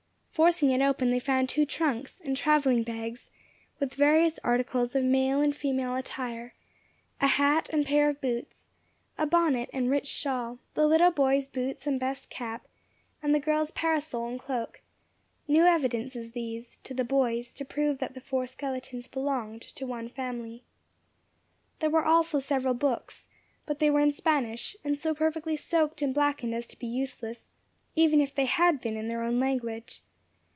Forcing it open, they found two trunks and travelling bags, with various articles of male and female attire a hat and pair of boots, a bonnet and rich shawl, the little boy's boots and best cap, and the girl's parasol and cloak; new evidences these, to the boys, to prove that the four skeletons belonged to one family. There were also several books, but they were in Spanish, and so perfectly soaked and blackened as to be useless, even had they been in their own language.